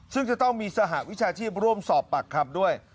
ซึ่งจะต้องมีสหวิชาชีพร่วมสอบปากคำด้วย